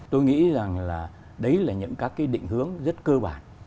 tôi nghĩ rằng là đấy là những các cái định hướng rất cơ bản